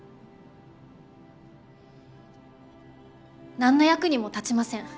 何の役にも立ちません。